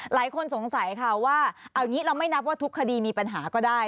หลายคนสงสัยค่ะว่าเอางี้เราไม่นับว่าทุกคดีมีปัญหาก็ได้